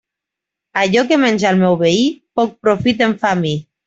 Allò que menja el meu veí, poc profit em fa a mi.